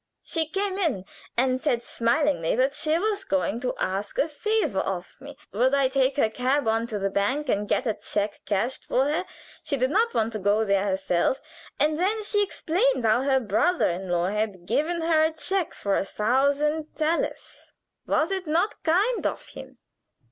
She came in and said smilingly that she was going to ask a favor of me. Would I take her cab on to the bank and get a check cashed for her? She did not want to go there herself. And then she explained how her brother in law had given her a check for a thousand thalers was it not kind of him?